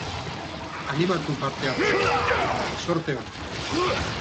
Animatu parte hartzen, eta zorte on!